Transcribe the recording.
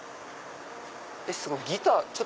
すごい！ギター。